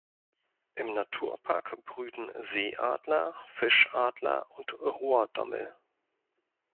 Im Naturpark brüten Seeadler, Fischadler und Rohrdommel.